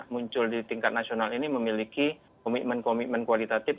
muncul di tingkat nasional ini memiliki komitmen komitmen kualitatif